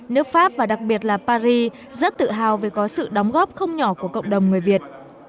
nước pháp và đặc biệt là paris rất tự hào về có sự đóng góp không nhỏ của cộng đồng người việt